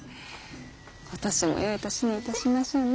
今年もよい年にいたしましょうね。